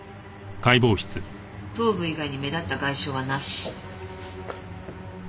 頭部以外に目立った外傷はなし。